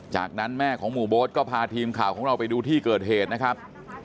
จากนั้นแม่ของหมู่โบ๊ทก็พาทีมข่าวของเราไปดูที่เกิดเหตุนะครับ